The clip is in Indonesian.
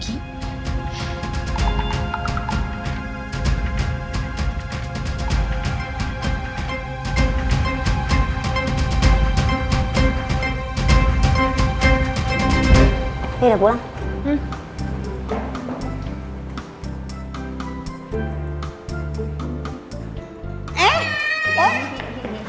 ini udah pulang